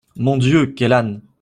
Mon Dieu ! quel âne !…